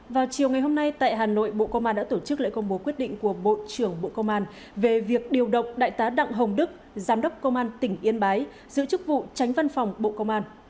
vào chiều ngày hôm nay tại hà nội bộ công an đã tổ chức lễ công bố quyết định của bộ trưởng bộ công an về việc điều động đại tá đặng hồng đức giám đốc công an tỉnh yên bái giữ chức vụ tránh văn phòng bộ công an